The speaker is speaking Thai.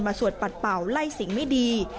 สวดปัดเป่าไล่สิ่งไม่ดี